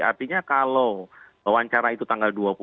artinya kalau wawancara itu tanggal dua puluh